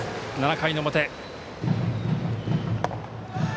７回の表。